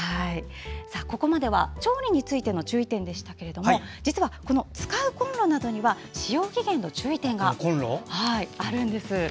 ここまでは調理についての注意点でしたが実は使うコンロなどには使用期限の注意点があるんです。